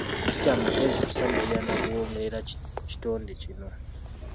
Si kya magezi kusamirira na kuwongerera kitonde kinno.